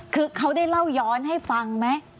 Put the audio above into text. คือเขาได้เล่าย้อนให้ฟังไหม